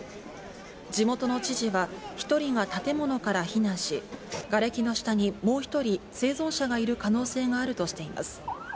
地元の知事は１人が建物から避難し、がれきの下に、もう１人、生存者がいる可能性があるとしています。